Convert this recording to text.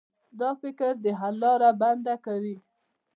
دا فکر د حل لاره بنده کوي.